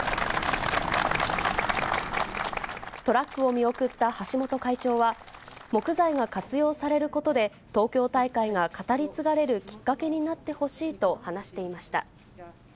トラックを見送った橋本会長は、木材が活用されることで、東京大会が語り継がれるきっかけになってほしいと話していました。